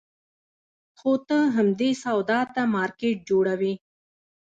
خو ته همدې سودا ته مارکېټ جوړوې.